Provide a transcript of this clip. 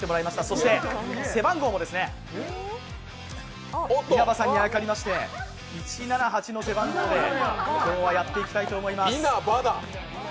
そして、背番号も稲葉さんにあやかりまして、１７８の背番号で今日はやっていきたいと思います。